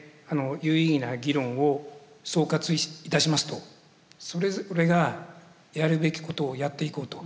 有意義な議論を総括いたしますとそれぞれがやるべきことをやっていこうと。